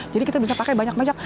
jadi kita bisa pakai banyak banyak